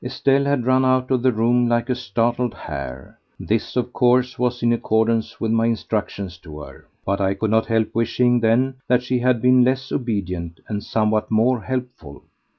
Estelle had run out of the room like a startled hare. This, of course, was in accordance with my instructions to her, but I could not help wishing then that she had been less obedient and somewhat more helpful.